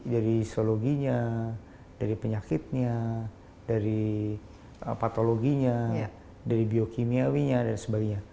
dari biologinya dari penyakitnya dari patologinya dari biokimiawinya dan sebagainya